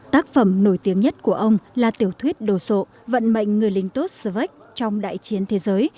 tác phẩm nổi tiếng nhất của ông là tiểu thuyết đồ sộ vận mệnh người lính tốt svek trong đại chiến thế giới